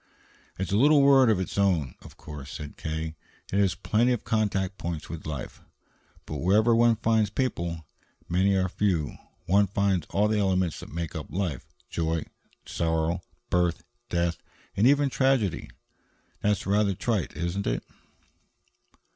"It's a little world of its own, of course," said K., "and it has plenty of contact points with life. But wherever one finds people, many or few, one finds all the elements that make up life joy and sorrow, birth and death, and even tragedy. That's rather trite, isn't it?"